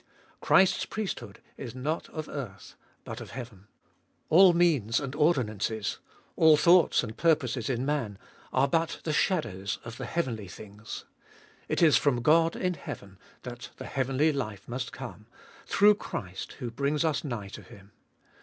Christ's priesthood is not of earth but of heaven. All means and ordinances, all thoughts and purposes in man are but the shadows of the heavenly things. It is from God in heaven that the heavenly life must come, through Christ who brings us nigh to Him.